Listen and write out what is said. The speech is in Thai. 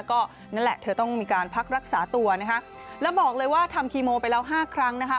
ก็นั่นแหละเธอต้องมีการพักรักษาตัวนะคะแล้วบอกเลยว่าทำคีโมไปแล้วห้าครั้งนะคะ